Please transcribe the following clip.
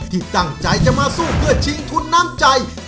ที่ตั้งใจจะมาสู้เพื่อชิงทุนน้ำใจ